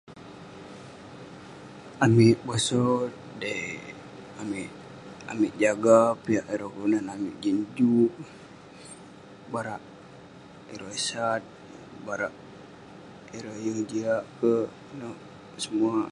Amik posot, dei- amik- amik jaga piak kelunan amik jin juk. Barak ireh sat, barak ireh yeng jiak kek, inouk semu-